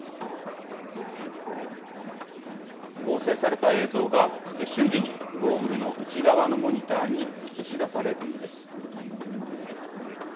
合成された映像が、瞬時にゴーグルの内側のモニターに映し出されるんです。